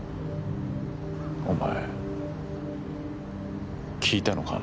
お前聞いたのか？